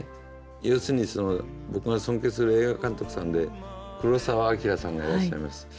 要するに僕が尊敬する映画監督さんで黒澤明さんがいらっしゃいます。